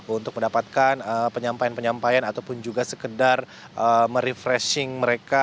untuk mendapatkan penyampaian penyampaian ataupun juga sekedar merefreshing mereka